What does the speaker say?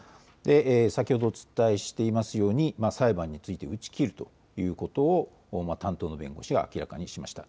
先ほどお伝えしていますように裁判について打ち切るということを担当の弁護士が明らかにしました。